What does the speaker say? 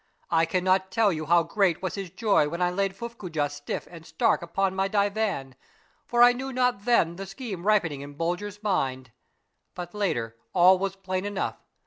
I cannot tell you how great was his joy when I laid Fuft coojah stiff and stark upon my divan, for I knew not then the scheme ripening in Bulger's mind. But later, all was plain enough.